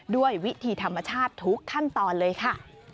ด้วยวิธีธรรมชาติทุกขั้นตอนเลยค่ะ